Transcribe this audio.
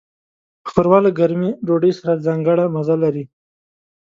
ښوروا له ګرمې ډوډۍ سره ځانګړی مزه لري.